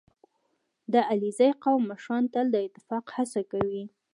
• د علیزي قوم مشران تل د اتفاق هڅه کوي.